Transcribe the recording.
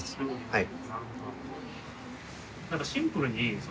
はい。